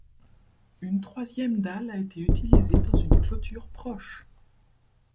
Une troisième dalle a été utilisée dans une clôture proche.